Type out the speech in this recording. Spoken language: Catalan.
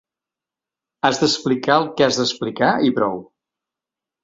Has d’explicar el que has d’explicar i prou.